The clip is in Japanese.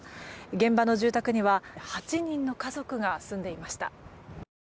現場の住宅には８人の家族が住んでいました。